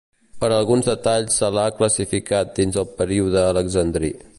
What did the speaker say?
Per alguns detalls se l'ha classificat dins el període alexandrí.